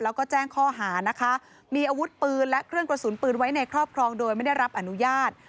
แล้วก็แจ้งข้อหานะคะมีอาวุธปืนและเครื่องกระสุนปืนไว้ในครอบครองโดยไม่ได้รับอนุญาต